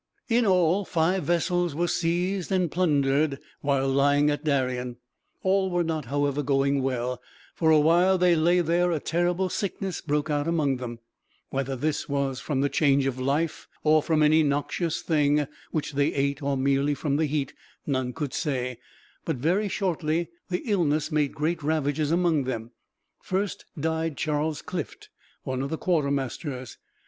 In all, five vessels were seized and plundered while lying at Darien. All was not, however, going well; for while they lay there, a terrible sickness broke out among them. Whether this was from the change of life, or from any noxious thing which they ate, or merely from the heat, none could say; but, very shortly, the illness made great ravages among them. First died Charles Clift, one of the quartermasters.